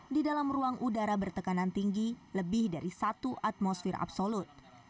di dalam ruang udara bertekanan tinggi lebih dari satu atmosfer absolut